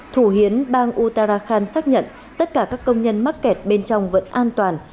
thủ hiến bang uttarakhand xác nhận tất cả các công nhân mắc kẹt bên trong vẫn an toàn